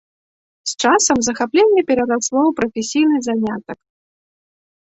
З часам захапленне перарасло ў прафесійны занятак.